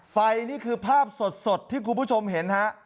นี่คือภาพสดที่คุณผู้ชมเห็นฮะ